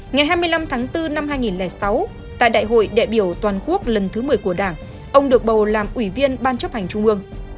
ngày hai mươi năm tháng bốn năm hai nghìn sáu tại đại hội đại biểu toàn quốc lần thứ một mươi của đảng ông được bầu làm ủy viên ban chấp hành trung ương